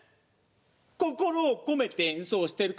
心を込めて演奏してるからよ。